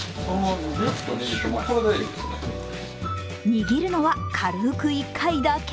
握るのは、軽く１回だけ。